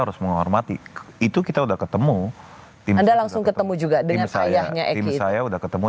harus menghormati itu kita udah ketemu tim langsung ketemu juga tim saya tim saya udah ketemu